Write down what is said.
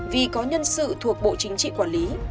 vì có nhân sự thuộc bộ chính trị quản lý